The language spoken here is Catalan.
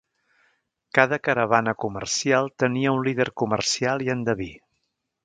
Cada caravana comercial tenia un líder comercial i endeví.